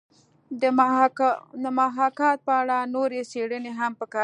د محاکات په اړه نورې څېړنې هم پکار دي